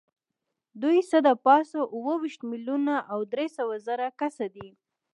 دوی څه د پاسه اووه ویشت میلیونه او درې سوه زره کسه دي.